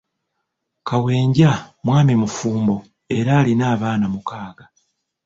Kawenja mwami mufumbo era alina abaana mukaaga